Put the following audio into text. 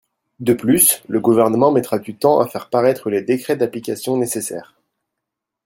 De plus, le Gouvernement mettra du temps à faire paraître les décrets d’application nécessaires.